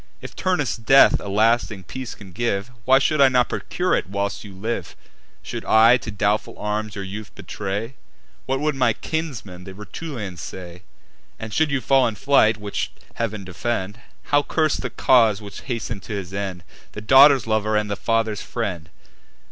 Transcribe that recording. If Turnus' death a lasting peace can give, Why should I not procure it whilst you live? Should I to doubtful arms your youth betray, What would my kinsmen, the Rutulians, say? And, should you fall in fight, (which Heav'n defend!) How curse the cause which hasten'd to his end The daughter's lover and the father's friend?